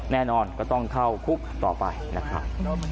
แน่นอนก็ต้องเข้าคุกต่อไปนะครับ